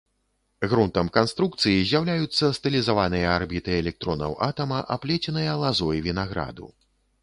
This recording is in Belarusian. Грунтам канструкцыі з'яўляюцца стылізаваныя арбіты электронаў атама, аплеценыя лазой вінаграду.